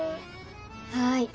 はい。